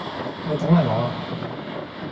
喂等埋我呀